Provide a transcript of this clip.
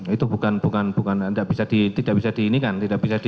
itu bukan bukan tidak bisa di ini kan tidak bisa di